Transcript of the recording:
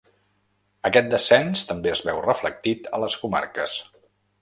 Aquest descens també es veu reflectit a les comarques.